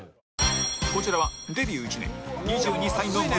こちらはデビュー１年２２歳の武藤